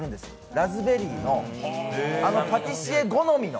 ラズベリーのパティシエ好みの。